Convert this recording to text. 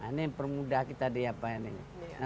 ini permudah kita diapain ini